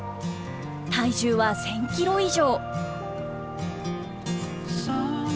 体重は１，０００キロ以上。